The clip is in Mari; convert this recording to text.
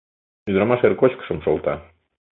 Ӱдырамаш эр кочкышым шолта.